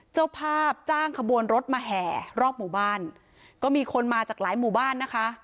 เจ้าภาพจ้างขบวนรถมาแห่รอบหมู่บ้านก็มีคนมาจากหลายหมู่บ้านนะคะ